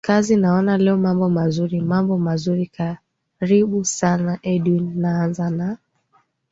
kazi naona leo mambo mazuri mambo mazuri karibu sana edwin naanza na